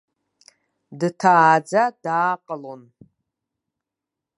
Дҭааӡа дааҟалон.